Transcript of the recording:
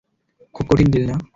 খুব কঠিন ডিল না!